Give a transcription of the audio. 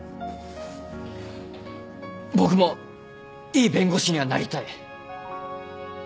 僕もいい弁護士にはなりたい。